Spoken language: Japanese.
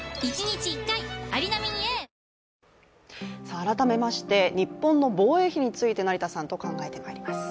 改めまして日本の防衛費について成田さんと考えてまいります。